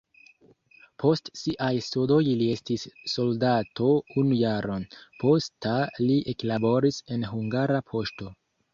Post siaj studoj li estis soldato unu jaron, posta li eklaboris en Hungara Poŝto.